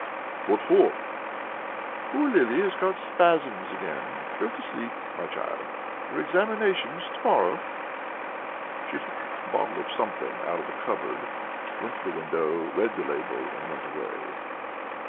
"What for?" "Poor Lili has got spasms again. Go to sleep, my child, your examination's to morrow...." She took a bottle of something out of the cupboard, went to the window, read the label, and went away.